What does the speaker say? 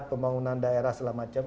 pembangunan daerah segala macam